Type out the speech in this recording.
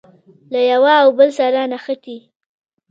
له یوه او بل سره نښتي.